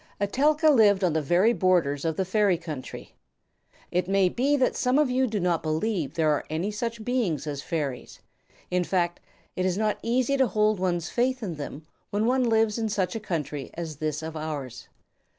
Etelka lived on the very borders of the Fairy Country. It may be that some of you do not believe that there are any such beings as fairies. In fact, it is not easy to hold to one's faith in them when one lives in such a country as this of ours.